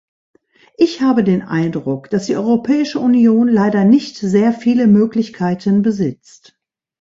Ich habe den Eindruck, dass die Europäische Union leider nicht sehr viele Möglichkeiten besitzt.